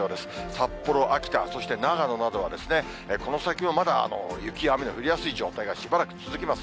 札幌、秋田、そして長野などは、この先もまだ雪や雨の降りやすい状況がしばらく続きます。